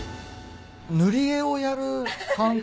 塗り絵をやる感覚？